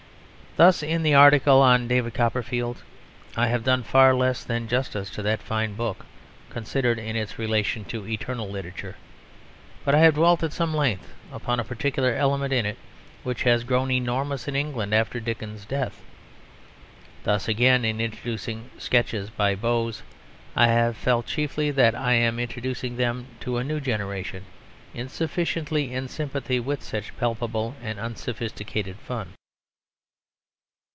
Thus in the article on David Copperfield I have done far less than justice to that fine book considered in its relation to eternal literature; but I have dwelt at some length upon a particular element in it which has grown enormous in England after Dickens's death. Thus again, in introducing the Sketches by Boz I have felt chiefly that I am introducing them to a new generation insufficiently in sympathy with such palpable and unsophisticated fun.